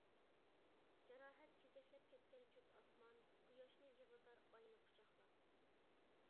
جاراھەت چېچەكلەپ كەتكەن كۆك ئاسمان، قۇياشنى يىغلىتار ئاينى قۇچاقلاپ.